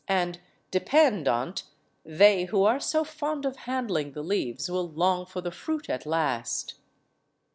And, depend on't, they who are so fond of handling the leaves will long for the fruit at last."